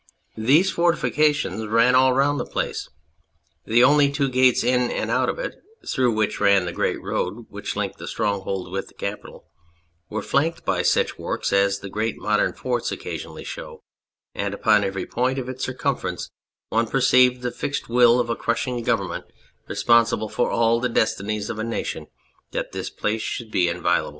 These fortifications ran all round the place, the two only gates in and out of it (through which ran the great road which linked the stronghold with the capital) were flanked by such works as the great modern forts occasionally show, and upon every point of its circumference one perceived the fixed will of a crushing Government responsible for all the destinies of a nation that this place should be inviolable.